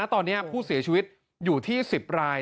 ตอนนี้ผู้เสียชีวิตอยู่ที่๑๐ราย